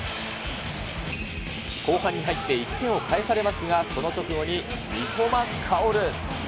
後半に入って１点を返されますが、その直後に三笘薫。